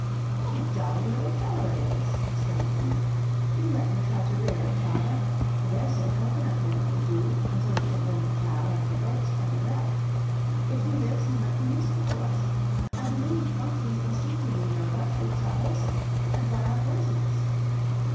"What a jolly little fellow it is!" exclaimed he, "do let me try to rear it, father. I daresay cocoanut milk would do until we can bring the cow and the goats from the wreck. If he lives he might be useful to us. I believe monkeys instinctively know what fruits are wholesome and what are poisonous."